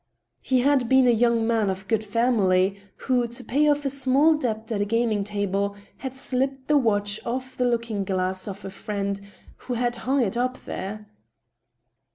He had been a young man of good family, who, to pay off a small debt at a gaming table, had slipped the watch off the looking glass of a friend who had hung it up there.